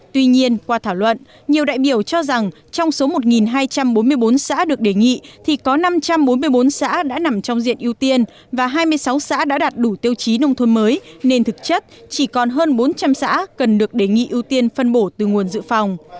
tuy nhiên qua thảo luận nhiều đại biểu cho rằng trong số một hai trăm bốn mươi bốn xã được đề nghị thì có năm trăm bốn mươi bốn xã đã nằm trong diện ưu tiên và hai mươi sáu xã đã đạt đủ tiêu chí nông thôn mới nên thực chất chỉ còn hơn bốn trăm linh xã cần được đề nghị ưu tiên phân bổ từ nguồn dự phòng